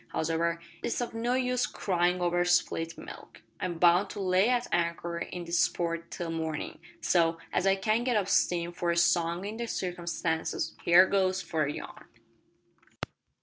Hows'ever, it's of no use cryin' over spilt milk. I'm bound to lay at anchor in this port till mornin', so, as I can't get up steam for a song in the circumstances, here goes for a yarn."